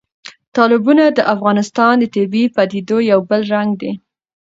تالابونه د افغانستان د طبیعي پدیدو یو بل رنګ دی.